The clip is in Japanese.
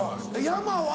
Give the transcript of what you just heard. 山は？